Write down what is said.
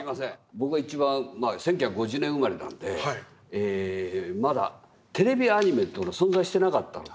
僕が一番１９５０年生まれなのでまだテレビアニメというのが存在してなかったので。